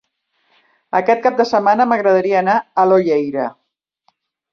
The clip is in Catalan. Aquest cap de setmana m'agradaria anar a l'Olleria.